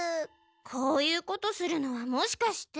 こういうことするのはもしかして。